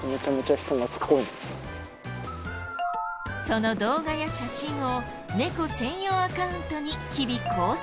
その動画や写真を猫専用アカウントに日々更新。